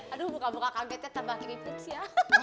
aduh muka muka kagetnya tambah krips ya